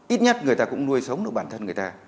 ít nhất người ta cũng nuôi sống được bản thân người ta